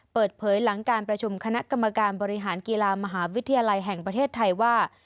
เปิดเผยหลังการประชุมคณะกรรมการบริหารกีฬามหาวิทยาลัยแห่งประเทศไทยว่า